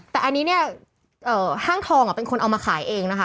แต่อันนี้เนี่ยห้างทองเป็นคนเอามาขายเองนะคะ